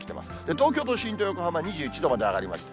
東京都心と横浜２１度まで上がりました。